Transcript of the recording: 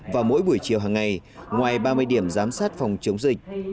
và mỗi buổi chiều hàng ngày ngoài ba mươi điểm giám sát phòng chống dịch